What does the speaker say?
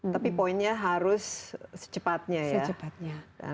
tapi poinnya harus secepatnya ya